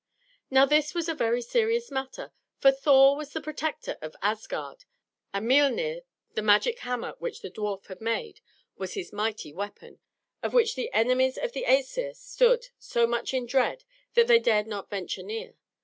Now this was a very serious matter, for Thor was the protector of Asgard, and Miölnir, the magic hammer which the dwarf had made, was his mighty weapon, of which the enemies of the Æsir stood so much in dread that they dared not venture near.